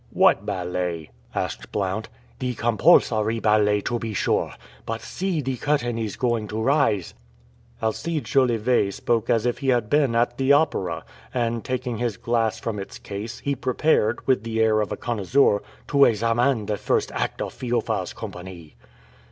"What ballet?" asked Blount. "The compulsory ballet, to be sure. But see, the curtain is going to rise." Alcide Jolivet spoke as if he had been at the Opera, and taking his glass from its case, he prepared, with the air of a connoisseur, "to examine the first act of Feofar's company."